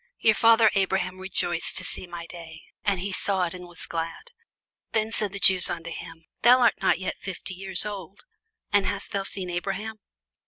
Your father Abraham rejoiced to see my day: and he saw it, and was glad. Then said the Jews unto him, Thou art not yet fifty years old, and hast thou seen Abraham?